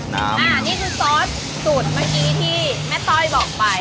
นี่คือซอสสูตรเมื่อกี้ที่แม่ต้อยบอกไป